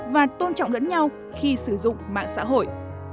và tôn trọng lẫn nhau khi sử dụng mạng xã hội